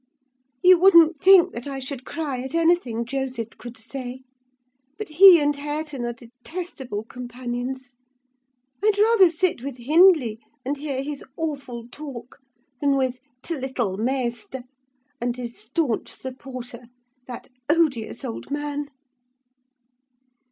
You wouldn't think that I should cry at anything Joseph could say; but he and Hareton are detestable companions. I'd rather sit with Hindley, and hear his awful talk, than with 't' little maister' and his staunch supporter, that odious old man!